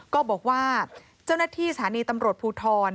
บอกว่าเจ้าหน้าที่สถานีตำรวจภูทร